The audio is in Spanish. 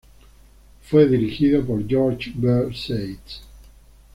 Fue dirigida por George B. Seitz.